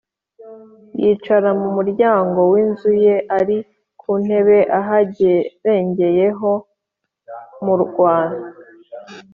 yicara mu muryango w’inzu ye, ari ku ntebe aharengeye ho mu murwa,